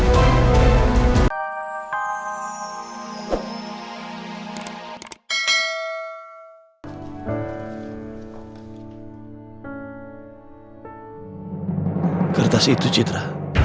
kertas itu citra